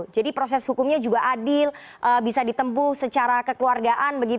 jadi proses hukumnya juga adil bisa ditempuh secara kekeluargaan